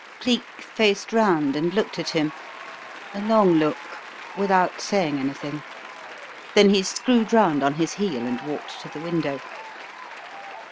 Cleek faced round and looked at him a long look without saying anything, then he screwed round on his heel and walked to the window.